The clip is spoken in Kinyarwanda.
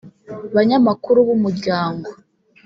Banyamakuru b’umuryango